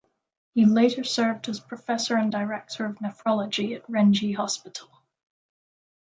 He later served as Professor and Director of Nephrology at Renji Hospital.